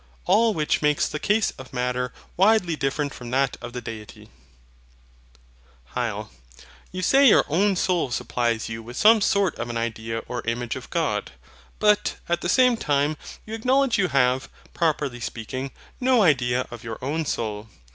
All which makes the case of MATTER widely different from that of the DEITY. HYL. You say your own soul supplies you with some sort of an idea or image of God. But, at the same time, you acknowledge you have, properly speaking, no IDEA of your own soul.